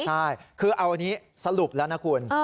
ใช่คือเอานี้สรุปแล้วนะคุณ